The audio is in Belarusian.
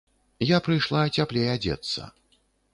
Я прыйшла цяплей адзецца.